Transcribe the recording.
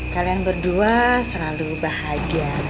kalian berdua selalu bahagia